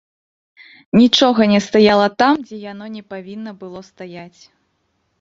Нічога не стаяла там, дзе яно не павінна было стаяць.